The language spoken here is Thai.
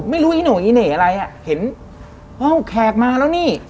ไม่รู้อีหนูอีเหน่อะไรเห็นแขกมาแล้วนี่